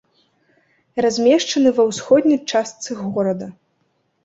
Размешчаны ва ўсходняй частцы горада.